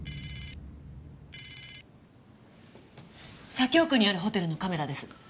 左京区にあるホテルのカメラです。